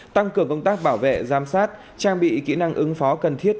tăng cường công tác bảo vệ giám sát trang bị kỹ năng ứng phó cần thiết